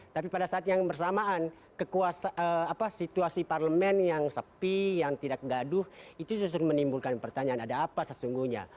tapi pada saat yang bersamaan situasi parlemen yang sepi yang tidak gaduh itu justru menimbulkan pertanyaan ada apa sesungguhnya